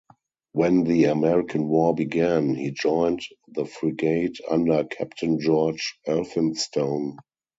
When the American War began, he joined the frigate under Captain George Elphinstone.